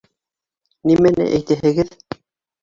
— Нимәне әйтәһегеҙ?